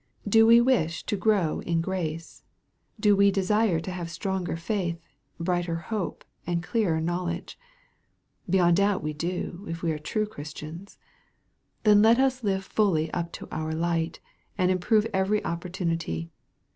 Do we wish to grow in grace ? Do we desire to have stronger faith, brighter hope, and clearer knowledge ? Beyond doubt we do, if we are true Christians. Then let us live fully up to our light, and improve every op portunity.